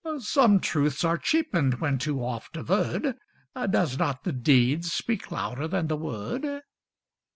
Some truths are cheapened when too oft averred Does not the deed speak louder than the word?